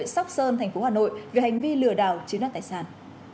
sốc sơn thành phố hà nội về hành vi lừa đảo chiến đoán tài sản